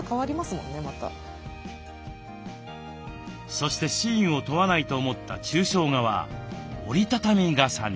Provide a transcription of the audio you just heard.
そしてシーンを問わないと思った抽象画は折り畳み傘に。